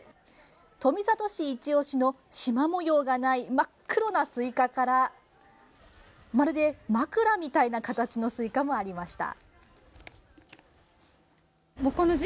富里市いち押しのしま模様がない真っ黒なスイカからまるで枕みたいな形のスイカもありました。